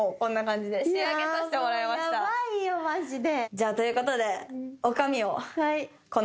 じゃあということで。